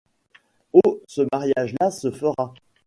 Oh! ce mariage-là se fera.